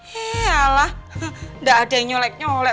hei alah nggak ada yang nyelek nyelek